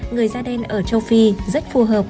người da đen ở châu phi rất phù hợp